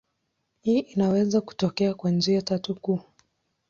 Hii inaweza kutokea kwa njia tatu kuu.